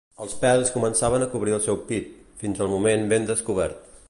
Els pèls començaven a cobrir el seu pit, fins al moment ben descobert.